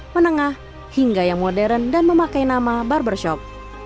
menengah hingga yang modern dan memakai nama barbershop